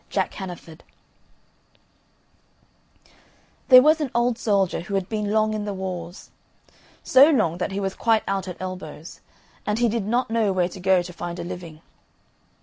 JACK HANNAFORD There was an old soldier who had been long in the wars so long, that he was quite out at elbows, and he did not know where to go to find a living.